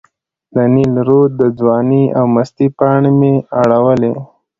د نیل رود د ځوانۍ او مستۍ پاڼې مې اړولې.